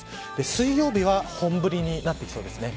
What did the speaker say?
水曜日は本降りになってきそうですね。